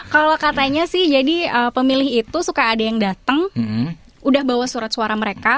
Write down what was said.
kalau katanya sih jadi pemilih itu suka ada yang datang udah bawa surat suara mereka